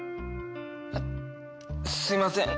あっすいません。